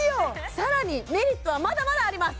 さらにメリットはまだまだあります